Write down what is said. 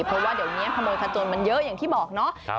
เพราะว่าเดี๋ยวนี้ขโมยขจนมันเยอะอย่างที่บอกเนาะ